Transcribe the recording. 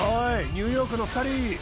ニューヨークの２人